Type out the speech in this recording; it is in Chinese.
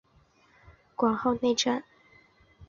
广内号志站根室本线与石胜线上的号志站。